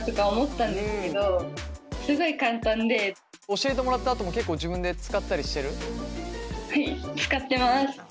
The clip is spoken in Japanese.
教えてもらったあとも結構自分で使ったりしてる？